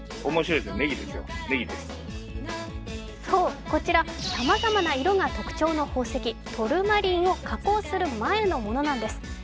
そう、こちらさまざまな色が特徴の宝石、トルマリンを加工する前のものなんです。